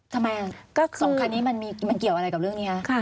ทำไมก็๒คันนี้มันเกี่ยวอะไรกับเรื่องนี้คะ